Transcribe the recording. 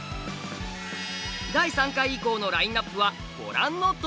第３回以降のラインナップはご覧のとおり。